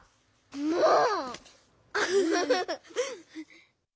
もう！